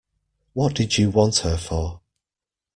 What did you want her for?